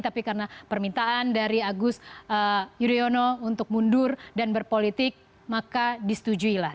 tapi karena permintaan dari agus yudhoyono untuk mundur dan berpolitik maka disetujuilah